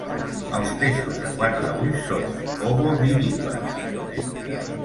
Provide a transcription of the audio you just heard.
Els peixos de quatre ulls són ovovivípars.